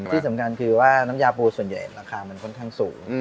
ที่สำคัญคือว่าน้ำยาปูส่วนใหญ่ราคามันค่อนข้างสูง